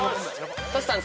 トシさん